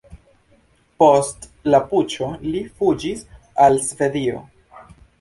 Post la puĉo li fuĝis al Svedio.